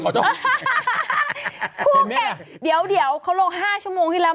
คู่แข่งเดี๋ยวเดี๋ยวเขาโรค๕ชมที่แล้ว